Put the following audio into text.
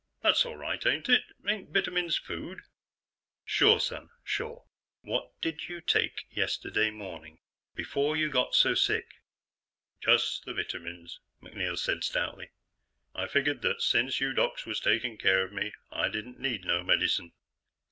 That's all right ain't it? Ain't vitamins food?" "Sure, son, sure. What did you take yesterday morning, before you got so sick?" "Just the vitamins," MacNeil said stoutly. "I figured that since you docs was takin' care of me, I didn't need no medicine." Dr.